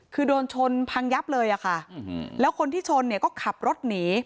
คือโดนชนพังยับเลยอะค่ะแล้วคนที่ชนเนี่ยก็ขับรถหนี